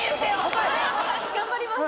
頑張ります